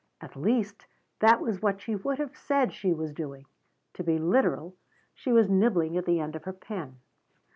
At least that was what she would have said she was doing. To be literal, she was nibbling at the end of her pen.